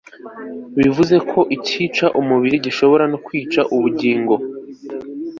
bivuga ko icyica umubiri gishobora no kwica ubugingo